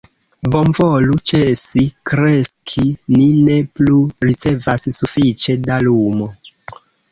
"Bonvolu ĉesi kreski, ni ne plu ricevas sufiĉe da lumo."